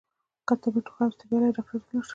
که تبه، ټوخۍ او ستړیا لرئ ډاکټر ته لاړ شئ!